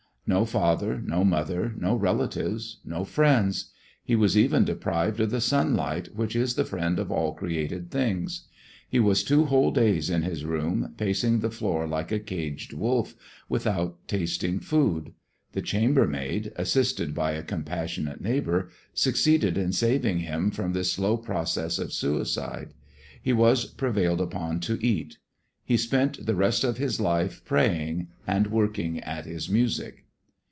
No father, no mother, no relatives, no friends; he was even deprived of the sunlight, which is the friend of all created things. He was two whole days in his room pacing the floor like a caged wolf, without tasting food. The chamber maid, assisted by a compassionate neighbor, succeeded in saving him from this slow process of suicide. He was prevailed upon to eat. He spent the rest of his life praying, and working at his music.